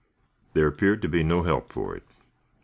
There appeared to be no help for it.